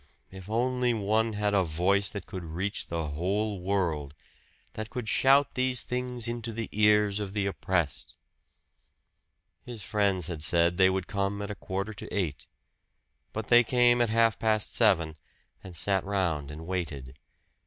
if only one had a voice that could reach the whole world that could shout these things into the ears of the oppressed! His friends had said they would come at a quarter to eight. But they came at half past seven, and sat round and waited.